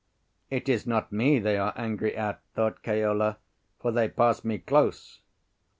"It is not me they are angry at," thought Keola, "for they pass me close."